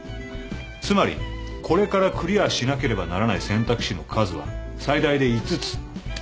つまりこれからクリアしなければならない選択肢の数は最大で五つということだ。